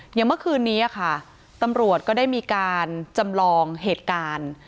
อย่างเมื่อคืนนี้ค่ะตำรวจก็ได้มีการจำลองเหตุการณ์